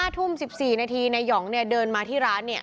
๕ทุ่ม๑๔นาทีนายองเดินมาที่ร้านเนี่ย